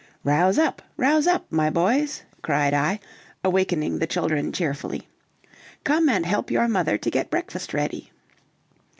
"Rouse up, rouse up, my boys," cried I, awakening the children cheerfully. "Come and help your mother to get breakfast ready."